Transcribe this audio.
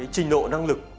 trình độ năng lực